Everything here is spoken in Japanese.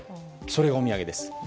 それがお土産です。